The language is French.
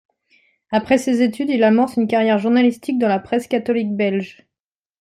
Après ses études, il amorce une carrière journalistique dans la presse catholique belge.